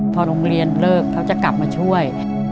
พอโรงเรียนเลิกเขาจะกลับมาช่วย